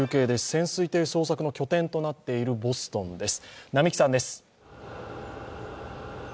潜水艇捜索の拠点となっているボストンです。